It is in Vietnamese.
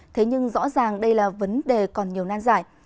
thế nhưng rõ ràng đây là vấn đề còn nhiều nan giải